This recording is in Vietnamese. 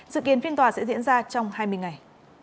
dự kiến phiên tòa sẽ diễn ra trong hai mươi ngày